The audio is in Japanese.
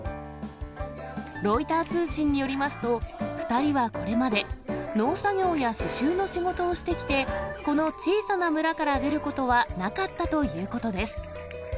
ロイター通信によりますと、２人はこれまで、農作業や刺しゅうの仕事をしてきて、この小さな村から出ることはなかったということです。